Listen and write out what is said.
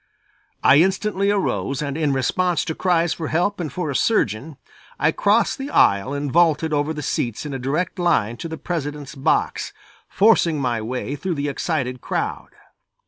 I instantly arose and in response to cries for help and for a surgeon, I crossed the aisle and vaulted over the seats in a direct line to the President's box, forcing my way through the excited crowd.